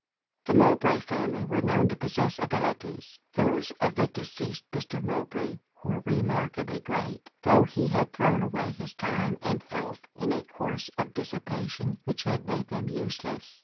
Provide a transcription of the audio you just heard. The Mowbray family were known to possess abilities. Those of the deceased Mr. Mowbray were remarkably great, tho' he had thrown away his time and health in a course of dissipation which had made them useless.